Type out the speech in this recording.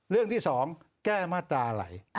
เรื่องที่๒แก้มาตราอะไร